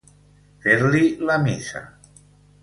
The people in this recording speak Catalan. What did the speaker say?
Fer-li la missa.